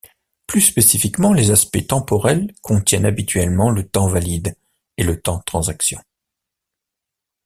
Plus spécifiquement, les aspects temporels contiennent habituellement le temps-valide et le temps-transaction.